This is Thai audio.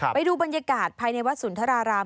ไปดูบรรยากาศภายในวัดสุนทราราม